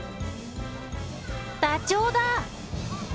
ダチョウだ！